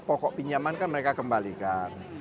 pokok pinjaman kan mereka kembalikan